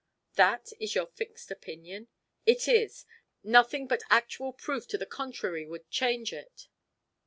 "That is your fixed opinion?" "It is. Nothing but actual proof to the contrary would change it."